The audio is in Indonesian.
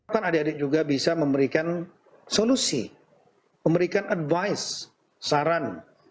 kan adik adik juga bisa memberikan solusi memberikan advice saran